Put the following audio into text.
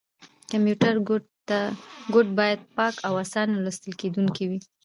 کمپیوټر کوډ باید پاک او اسانه لوستل کېدونکی وي.